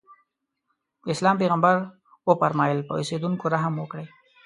د اسلام پیغمبر وفرمایل په اوسېدونکو رحم وکړئ.